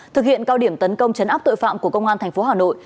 thực hiện cao điểm tấn công chấn áp tội phạm của công an tp hà nội